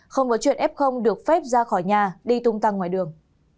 không có chuyện f được phép ra khỏi nhà đi tung tăng ngoài đường